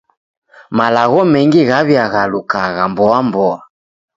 Malagho mengi ghaw'iaghalukagha mboamboa.